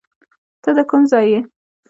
ته ده کوم ځای یې